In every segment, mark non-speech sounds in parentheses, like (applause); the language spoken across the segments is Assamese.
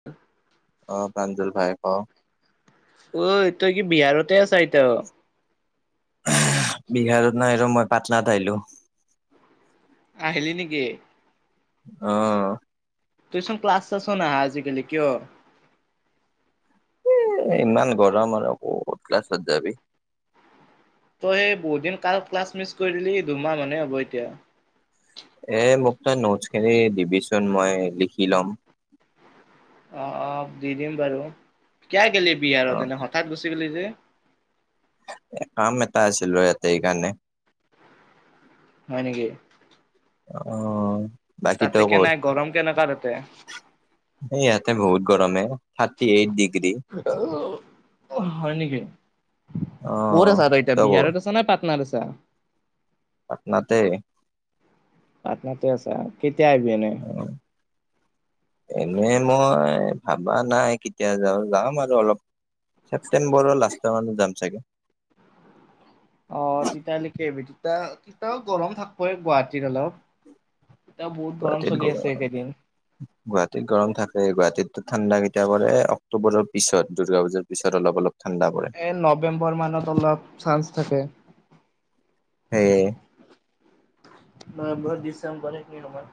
(inaudible) অ', প্ৰাঞ্জুল ভাই ক অ', তই কি বিহাৰতে আছা ইতাও বিহাৰত নাই ৰ মই পাটনাত আহিলো। আহিলি নেকি? অ'। তইচোন ক্লাছ চাছ নাহা আজিকালি কিয়? এ ইমান গৰম আৰু ক্লাছত যাবি। তই সেই বহুত দিন কাল ক্লাছ মিচ কৰি দিলি দুমাহ মানে হ'ব এতিয়া। এ, মোক তই নোটচ খিনি দিবিচোন মই লিখি ল'ম। অ', অ', দি দিম বাৰু কিয়া গেলি অ বিহাৰত এনে হঠাৎ গুচি গলি যে। কাম এটা আছিল ৰ এতে এইকাৰণে। হয় নেকি। অ'। বাকী তই তাতে কে ক'ত নাই গৰম কেনেকাা তাতে? ন আতে বহুত গৰমে। থাৰ্টি এইট ডিগ্ৰী হয় নেকি। অ ক'ত আছা আৰু এতিয়া তই ক'ত বিহাৰত আছা নাই পাটনাত আছা। পাটনাতে। পাটনাতে আছে কেতিয়া আহিবিয় ননে উম। এনে মই ভাবা নাই কেতিয়া যাওঁ যাম আৰু অলপ ছেপ্টেম্বৰৰ লাষ্ট মানত যাম চাগে। অ, ' তিতালৈকে আহবিি তিতা তিতা গৰম থাকিবই গুৱাহাটীত অলপ ব গ অ। গুৱাহাটীত গৰম থাকে গুৱাহাটীতো ঠাণ্ডা কেইটায়া কৰে অক্টোবৰৰ পিছত দুৰ্গা পূজাৰ পিছত অলপ অলপ ঠাণ্ডা পৰে নৱেম্বৰ মানত অলপ চান্স থাকে সেই নৱেম্বৰ ডিচেম্বৰ এক মিননম্বৰ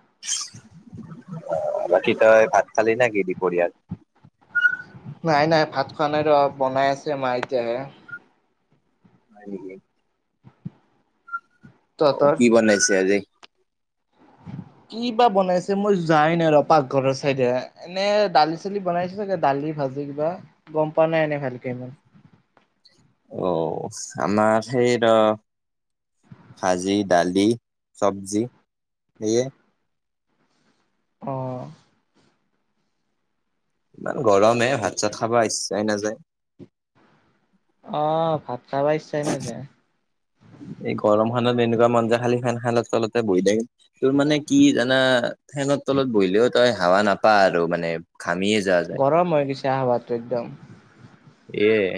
অ বাকী ত হয় ভাত খালি ন কিি দিদি কৰি আৰু নাই নাই ভাত খোৱা নাই ৰ বনাই আছে মা এতিয়াহে নে অ তহঁতৰ? কি বনাইছে আজি কি বা বনাইছে মই যাই নাই ৰ পাকঘৰৰ চাইদে এনে দালি চালি বনাইছো চাগে দালি ভাজি কিবা গম পোৱা নাই এনে ভালকে ইমান অ আমাৰ সেই ৰ ভাজি দালি চবজি সেয়ে অঁ ইমান গৰমে ভাত চাত খাব ইচ্ছাই নাযায় অ ভাত খাবা ইচ্ছা নাই যে এই গৰম খানত এনেকুৱা মঞ্া খালি খেন খাই তলতে বহি থাকিল তোৰ মানে কি জানা ফেনত তলত বহিলেও তই হাৱা নাপা আৰু মানে ঘামিয়ে যোৱা যায় গৰম হৈ গৈছে আহাৱাতটো একদম এয়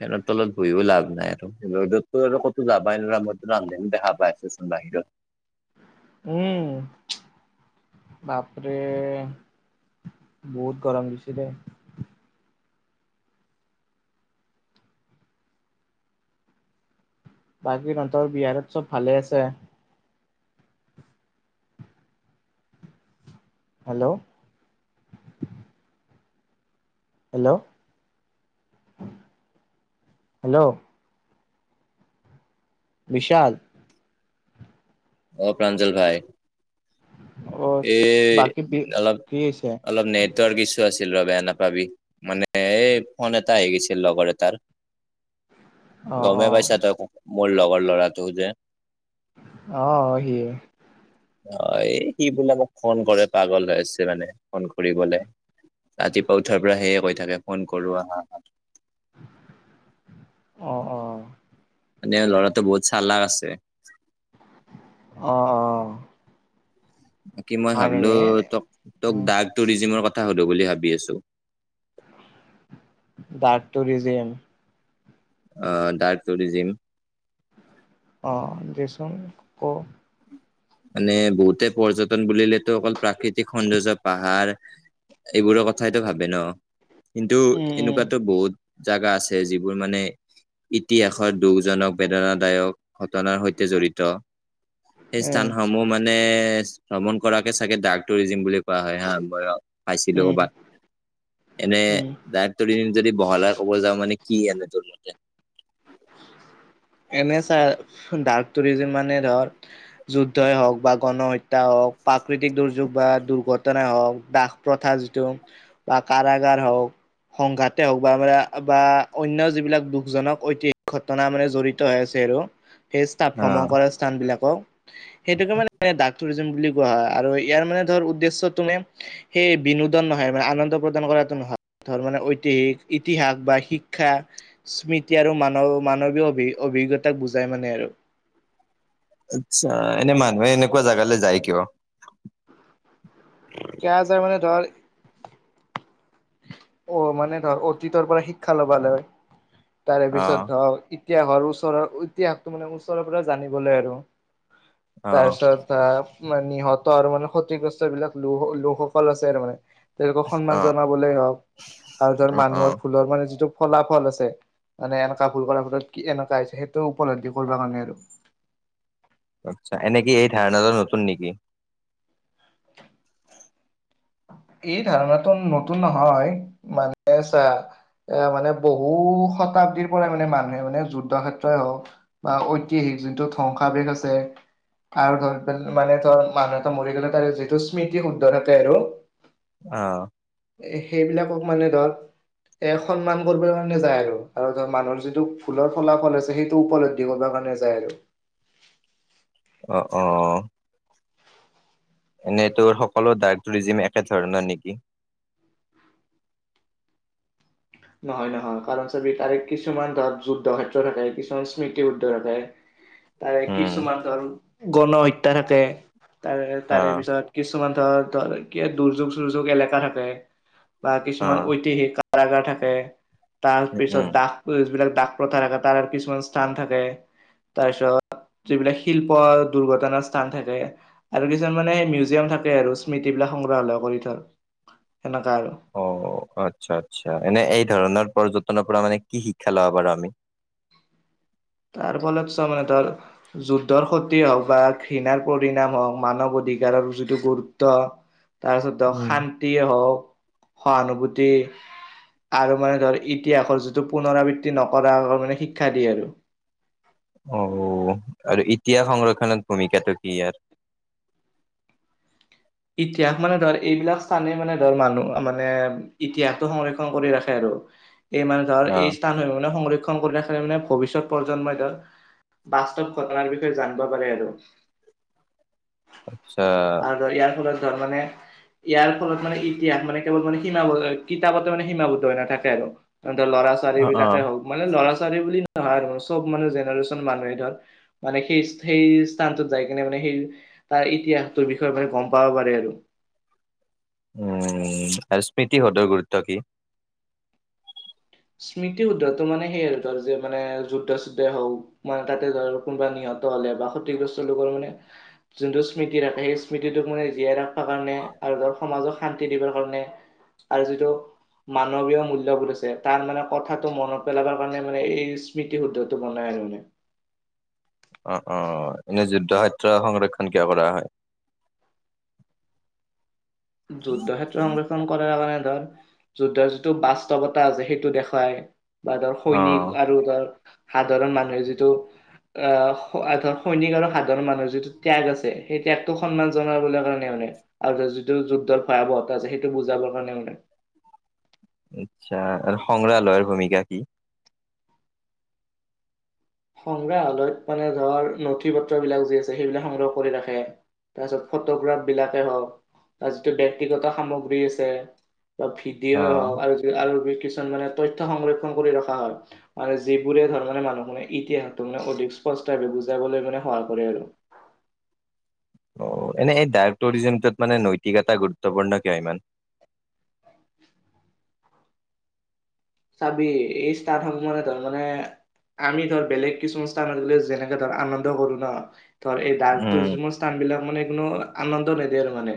ফেনৰ তলত বহিও লাভ নাই আৰু ৰ'দতো আৰু ক'তো যাবাই নো মইতো ৰান্ধে দেখা পাই ষ্টচন বাহিৰত উম বাপৰে বহুত গৰম দিছিলে বাকী তহঁতৰ বিহাৰত চব ভালে আছে হেল্ল' হেল্ল' হেল্ল' বিশশাল অ প্ৰাঞ্জল ভাই অ এই বাকী বি অলপ কি হৈছে অলপ ন তৰ কিছু আছিল ৰ বেয়া নাপাবি মানে এই ফোন এটা আহ গৈছিল লগৰ এটাৰ (unintelligible) অ অ গমেই পাইছা তই মোৰ লগৰ ল'ৰাটো যে অ স অ এই স বোলে ফোন কৰে পাগল হৈ আ হৈছে মানে ফোন কৰিবলে ৰাতিপুৱা উঠাৰ পৰা সেয়ে কৈ থাকে ফোন কৰো আহা হা অ অ মানে ল'ৰাটো বহুত চাল্ লাাগ আছে অ', অ' বাকি মই হয় ভাবিলো নেকি ত তোক দাগ টুৰিজিমৰ কথা হলো বুলি ভাবি আছো। Dark tourism. অ' ডাৰ্ক টুৰিজিম। অ' দিচোন ক। মানে বহুতে পৰ্যটন বুলিলেতো অকল প্ৰাকৃতিক সৌন্দৰ্য পাহাৰ এইবোৰৰ কথাইতো ভাবে ন কিন্তু উম এনেকুৱাতটো বহুত জাগা আছে যিবোৰ মানে ইতিহাসত দুখজনক বেদনাদায়ক ঘটনাৰ সৈতে জড়িত। সেই উম স্থানসমূহ মানে ভ্ৰমণ কৰাকে চাগে ডাক টুৰিজিম বুলি কোৱা হয় হা বয়। উম পাইছিলো উম কৰ'বাক এনে উম দ টোৰিন যদি বহলা ক'ব যাওঁ মানে কি আনো তোৰ মতে। এনে চ ডাৰ্ক টুৰিজিম মানে ধৰ যুদ্ধই হওক বা গণহত্যা হওক প্ৰাকৃতিক দুৰ্যোগ বা দুৰ্ঘটনাই হওক দাস প্ৰথা যিটো বা কাৰাগাৰ হওক। সংঘাতে হওক বা আ বা অন্য যিবিলাক দুখজনক ঐতি ঘটনা মানে জড়িত হৈ আছে আৰু সেই স্থাপ অ ভ্ৰমণ কৰা স্থান বিলাকক সেইটোকে মানে ডাকটুৰিজম বুলি কোৱা হয় আৰু ইয়াৰ মানে ধ উদ্দেশ্য তুমে সেই বিনোদন নহয় মানে আনন্দ প্ৰদান কৰাটো নহয়। ধৰ মানে ঐতিহিক ইতিহাস বা শিক্ষা স্মৃতি আৰু মান মানৱীয় অভি অভিজ্ঞতাক বুজাই মানে আৰু। আচ্ছা এনে মানুহে এনেকুৱা জাগালৈ যায় কিয়। কি যায় মানে ধৰ অ' মানে ধৰক অতীতৰ পৰা শিক্ষা ল'ব ল হয় তাৰে অ পিছত ধৰক ইতিহাসৰ ওচৰৰ ইতিহাসটো মে ওচৰৰ পৰা জানিবলৈ আৰু। অ তাৰপিছত মানে নিহত আৰু মানে ক্ষতিগ্ৰস্ত বিলাক লোকসকল আছে আৰু মানে। তেওঁলোকক অ সন্মান জনাবলে হওঁক আৰু ধৰ অ অ মানুহৰ ভুলৰ মানে যিটো ফলাফল আছে মানে এনেকুৱা ভুল কৰাৰ ফলত কি এনেকুৱা হৈছে সেইটো উপলব্ধি কৰিব কাৰণে আৰু আচ্ছা এনেক কি এই ধাৰণাটোৰ নতুন নেকি? এই ধাৰণটো নতুন নহয় মানে আছা। এ মানে বহু শতাব্দীৰ পৰাই মানে মানুহে মানে যুদ্ধ ক্ষেত্ৰই হওক বা ঐতিহাসিক যোনটো ধ্বংসাৱেশ আছে। আৰু ধৰি মানে ধৰ মানুহ এটা মৰি গলে তাৰে যিটো স্মৃতি শুদ্ধ থাকে আৰু অ'। সেইবিলাকক মানে ধৰ এ সন্মান কৰিব কাৰণে যায় আৰু ধৰ মানুহৰ যিটো ভুলৰ ফলাফল আছে সেইটো উপলব্ধ কৰিব কাৰণে যায় আৰু। অ', অ' এনেই তোৰ সকলো ডাৰ্ক টুৰিজিম একে ধৰণৰ নেকি? নহয় নহয় কাৰণ চাবি তাৰে কিছুমান ধৰক যুদ্ধ ক্ষেত্ৰ থাকে কিছুমান স্মৃতিবুদ্ধ থাকে। তাৰে উম কিছুমান ধৰ গণ হত্যা থাকে তাৰে অ তাৰে পিছত কিছুমান ধৰ ধৰ দুৰ্যোগ চুৰ্যোগ এলেকা থাকে বা অ কিছুমান ঐতিহিক কাৰাগাৰ থাকে তাৰ উম পিছত উম দাগ বিলাক দাক প্ৰথা থখে তাৰ কিছুমান স্থান থাকে। তাৰ পিছত যিবিলাক শিল্প দুৰ্ঘটনাৰ স্থান থাকে। আৰু কিছুমান মানে মিউজিয়াম থাকে আৰু স্মৃতি বিলাক সংগ্ৰহালয় কৰি থয় সেনেকা আৰু। অ' আচ্ছা আচ্ছা এনে এই ধৰণৰ পৰ্যটনৰ পৰা মানে কি শিক্ষা লোৱা বাৰু আমি? তাৰ ফলত চ মানে ধৰ যুদ্ধৰ ক্ষতি হওক বা ঘৃণাৰ পৰিণাম হওক মানৱ অধিকাৰৰ যিটো গুৰুত্ব তাৰপিছত ধৰক উম শান্তি হওক সহানুভূতি আৰু মানে ধৰ ইতিহাসৰ যিটো পুনৰাবৃত্তি নকৰাক মানে শিক্ষা দিয়ে আৰু অ আৰু ইতিহাস সংৰক্ষণত ভূমিকাটো কি ই ইতিহাস মানে ধৰ এইবিলাক স্থানে মানে ধৰ মানুহ মানে ইতিহাসটো সংৰক্ষণ কৰি ৰাখে আৰু এই মানে ধৰ অ এই স্থান মানে সংৰক্ষণ কৰি ৰাখিলে মানে ভৱিষ্যত প্ৰজন্মই ধৰক বাস্তৱ ঘটনাৰ বিষয়ে জানিব পাৰে আৰু আচ্ছা আৰু ইয়াৰ ফলত ধৰ মানে ইয়াৰ ফলত মানে ইতিহাস মানে কেৱল মানে সীমা কিতাপতে মানে সীমাবদ্ধ হৈ নাথাকে আৰু ত লৰা ছোৱালী অ অ বিলাকে হওক মানে ল'ৰা ছলী বুলি নহয় আৰু চব মানে জেনেৰেচন মানুহে ধৰ মানে সেই সেই স্থানটোত যাই কিনে মানে সেই তাৰ ইতিহাস টোৰ বিষয়ে মানে গম পাৱ প আৰু উম আৰু স্মৃতি সদৰ গুৰুত্ব কি স্মৃতি শুদ্ধটো মানে সেইয় আৰু তাৰ যে মানে যুদ্ধা চুদ্ধে হওক মানে তাতে ধৰ কোনোবা নিহত হলে বা ক্ষতিগ্ৰস্ত লোকৰ মানে যোনটো স্মৃতি ৰাখে সেই স্মৃতিটোক মানে জীয়াই ৰাখিবা কাৰণে আৰু ধৰ সমাজক শান্তি দিবাৰ কাৰণে আৰু যিটো মানৱীয় মূল্্য বুলিছে তাৰ মানে কথাটো মনত পেলাব কাৰণে মানে এই স্মৃতি শুদ্ধটো বনাই আৰু মানে অ অ এনে যুদ্ধ সত্ৰ সংৰক্ষণ কিয় কৰা হয় যুদ্ধ ক্ষেত্ৰ সংৰক্ষণ কৰাৰ কাৰণে ধৰ যুদ্ধৰ যিটো বাস্তৱতা আছে সেইটো দেখুৱাই বা ধৰ অ সৈনিক আৰু ধৰ সাধাৰণ মানুহে যিটো আহৰ সৈনিক আৰু সাধাৰণ মানুহৰ যিটো ত্যাগ আছে সেই ত্যাগটোক সন্মান জনাব কাৰণে মানে আৰু যিটো যুদ্ধৰ ভয়াৱহতা আছে সেইটো বুজাবৰ কাৰণে মে আচ্ছা আৰু সংগ্ৰালয়ৰ ভূমিকা কি সংগ্ৰাহালয়ত মানে ধৰ নথি পত্ৰবিলাক যি আছে সেইবিলাক সংগ্ৰহ কৰি ৰাখে তাৰপিছত ফটোগ্ৰাফ বিলাকেই হওক বা যিটো ব্ক্তিগত সামগ্ৰী আছে বা ফিডিয়ে অ হওক আৰু আৰু কিছুমান মানে তথ্য় সংৰক্ষণ কৰি ৰখা হয় মানে যিবোৰে ধৰ মানে মানুহখে ইতিহাসটো মানে অধিক স্পষ্টভাৱে বুজাবলৈ মানে সহায় কৰে আৰু অ এনে এই ডাৰ্ক টুৰিজিমটোত মানে নৈতিক এটা গুৰুত্বপূৰ্ণ কিয় ইমান চাবি এই ষ্টান সমানে তাৰ মানে আমি ধৰ বেলেগ কিছুমান স্থানত গলে যেনেকে ধৰ আনন্দ কৰো ন ধৰ এই ডাৰ্ক টুৰিজৰ স্থান বিলাক মানে একোনো আনন্দ নিদিয়ে আৰু মানে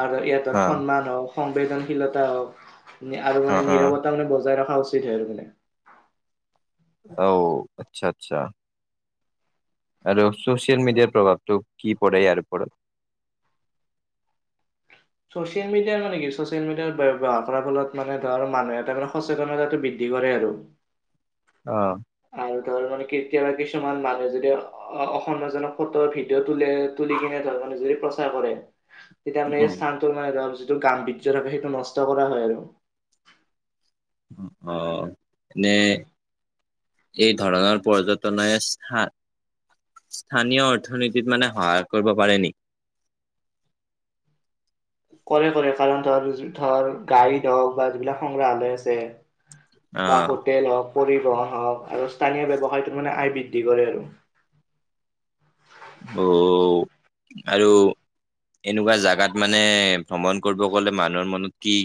আৰু ইয়াত সন্মান হওক সংবেদনশীলতা হওক আৰু মানে নিৰৱতা মানে খা উচিত আৰু মানে অ আচ্ছা আচ্ছা আৰু চোচিয়েল মিডিয়াৰ প্ৰভাৱটোো কি পৰে ইাৰপৰত চচিয়েল মিডিয়াৰ মানে কি ছচিয়েল মিডিয়াৰ ব্যয়ৱাৰ ফলত মানে ধৰ মানুহ এটা মানেচেতনতাটো বৃদ্ধি কৰে আৰু অ আৰু ধৰ মানে কেতিয়াবা কিছুমান মানুহে যদি অ অসমীয়াাজক ফটো ভিডিঅ' ত তুলি কিনে ধৰ নিজুৰি প্ৰচাৰ কৰে তেতিয়া মানে এই স্থানটোৰ মানে ধ যিটো গাম বজ্ থাকে সেইটো নষ্ট কৰা হয় আৰু অ নে এই ধৰণৰ পৰ্যটনে স স্থানীয় অৰ্থনীতিত মানে সহায় কৰিব পাৰে নেকি কৰে কৰে কাৰণ ধৰ ধৰ গাইত হওক বা যিবিলাক সংগ্ৰাহালয় আছে অ বা হোটেল হওক পৰিবহন হওক আৰু স্থানীয় ব্যৱসায়তো মানে আয় বৃদ্ধি কৰে আৰু অ আৰু এনেকুৱা জাগাত মানে ভ্ৰমণ কৰিব গলে মানুহৰ মনত কি